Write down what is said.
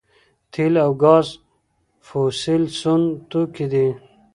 تیل او ګاز فوسیل سون توکي دي